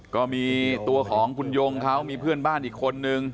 ก็มีตัวของคุณยงเขามีเพื่อนบ้านอีกคนนึง